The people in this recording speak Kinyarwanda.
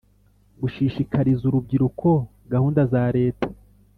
gushishikariza urubyiruko gahunda za Leta